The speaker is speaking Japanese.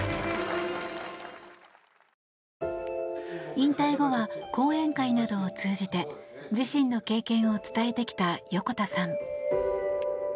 引退後は講演会などを通じて自身の経験を伝えてきた横田さん。